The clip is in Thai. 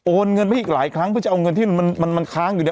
เงินไปอีกหลายครั้งเพื่อจะเอาเงินที่มันค้างอยู่เนี่ย